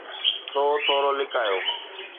سو ٿورو لڪايو.